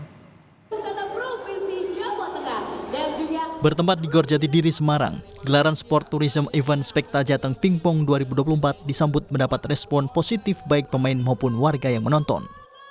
pertama di gorjati diri semarang gelaran sport tourism event spekta jateng tingpong dua ribu dua puluh empat disambut mendapat respon positif baik pemain maupun warga yang menonton